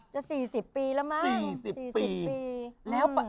จะ๔๐ปีแล้วมั้ง